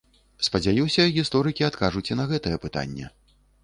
Спадзяюся, гісторыкі адкажуць і на гэтае пытанне.